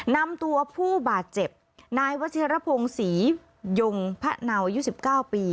นำตัวผู้บาดเจ็บนายวัชิรพงศรียงพะเนาอายุ๑๙ปี